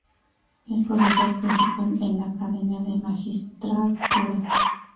Es profesor principal en la Academia de la Magistratura.